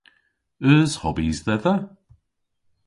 Eus hobis dhedha?